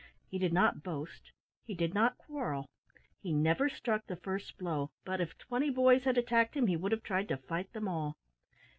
He did not boast. He did not quarrel. He never struck the first blow, but, if twenty boys had attacked him, he would have tried to fight them all.